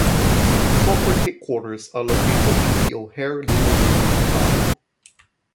The corporate headquarters are located in the O'Hare neighborhood of Chicago.